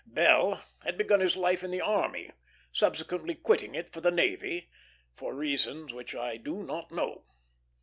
Bell had begun life in the army, subsequently quitting it for the navy for reasons which I do not know.